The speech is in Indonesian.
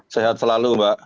sehat selalu mbak